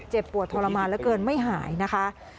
ปวดทรมานเหลือเกินไม่หายนะคะ